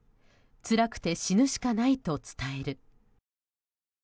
辛くて死ぬしかないと伝える。